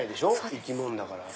生き物だから。